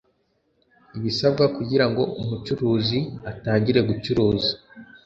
ibisabwa kugira ngo umucuruzi atangire gucuruza